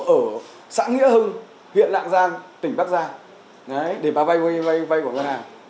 ở xã nghĩa hưng huyện lạng giang tỉnh bắc giang để mà vay của ngân hàng